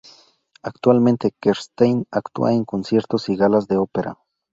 Actualmente Kerstin actúa en conciertos y galas de ópera.